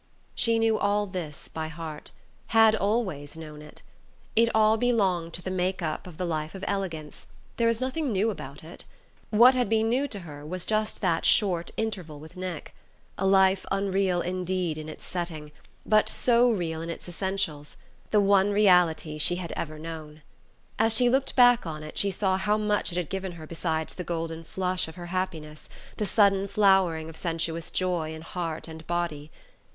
She knew all this by heart; had always known it. It all belonged to the make up of the life of elegance: there was nothing new about it. What had been new to her was just that short interval with Nick a life unreal indeed in its setting, but so real in its essentials: the one reality she had ever known. As she looked back on it she saw how much it had given her besides the golden flush of her happiness, the sudden flowering of sensuous joy in heart and body.